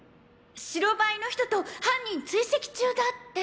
白バイの人と犯人追跡中だって。